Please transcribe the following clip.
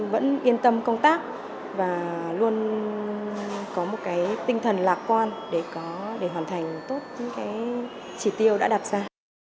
vẫn yên tâm công tác và luôn có một cái tinh thần lạc quan để hoàn thành tốt những cái chỉ tiêu đã đặt ra